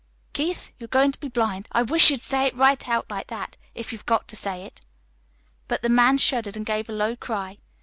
'Keith, you're going to be blind.' I wish't you'd say it right out like that if you've got to say it." But the man shuddered and gave a low cry.